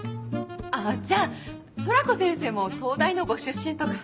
あじゃあトラコ先生も東大のご出身とか？